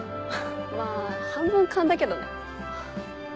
まぁ半分勘だけどね。